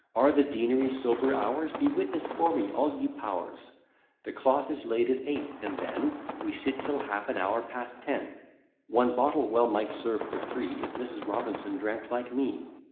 Are the Deanery sober hours? Be witness for me all ye powers. The cloth is laid at eight, and then We sit till half an hour past ten; One bottle well might serve for three If Mrs. Robinson drank like me.